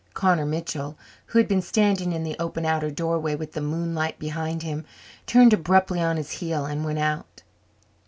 Connor Mitchell, who had been standing in the open outer doorway with the moonlight behind him, turned abruptly on his heel and went out.